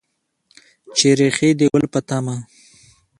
چې ریښې د ګل په تمه